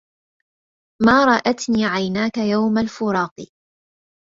ما رأتني عيناك يوم الفراق